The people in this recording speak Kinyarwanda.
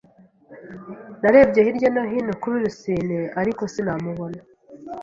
Narebye hirya no hino kuri Rusine, ariko sinamubona.